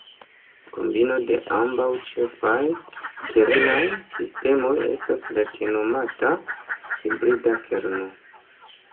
Kombino de ambaŭ ĉefaj kernaj sistemoj estas la tiel nomata "hibrida kerno".